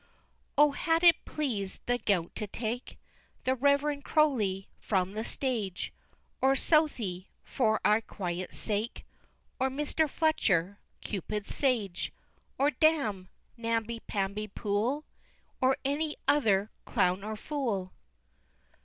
IV. Oh, had it pleased the gout to take The reverend Croly from the stage, Or Southey, for our quiet's sake, Or Mr. Fletcher, Cupid's sage, Or, damme! namby pamby Poole, Or any other clown or fool!